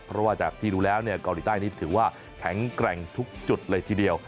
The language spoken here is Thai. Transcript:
เพราะว่าจากที่ดูแล้วเกาหลีใต้นี้ถือว่าแข็งแกร่งทุกจุดเลยทีเดียว